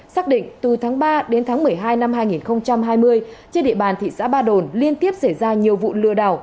xác định từ tháng ba đến tháng một mươi hai năm hai nghìn hai mươi trên địa bàn thị xã ba đồn liên tiếp xảy ra nhiều vụ lừa đảo